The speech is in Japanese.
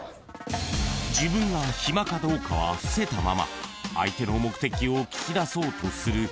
［自分が暇かどうかは伏せたまま相手の目的を聞き出そうとする返信］